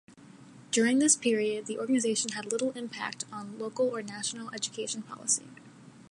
During this period, the organization had little impact on local or national education policy.